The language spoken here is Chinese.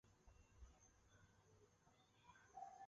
芦潮港镇原是中国上海市浦东新区下辖的一个镇。